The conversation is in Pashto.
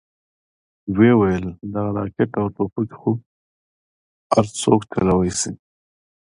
ويې ويل دغه راکټ او ټوپکې خو هرسوک چلوې شي.